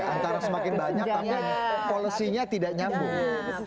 sekarang semakin banyak tapi polisi nya tidak nyambung